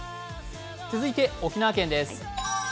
続いて沖縄県です。